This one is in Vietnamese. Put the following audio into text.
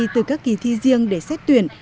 từ các kỳ thi riêng để xét tuyển